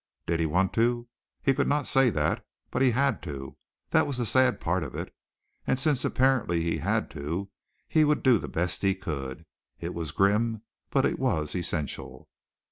Did he want to? He could not say that. But he had to that was the sad part of it and since apparently he had to, he would do the best he could. It was grim but it was essential.